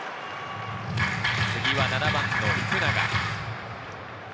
次は７番の福永。